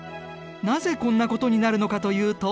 なぜこんなことになるのかというと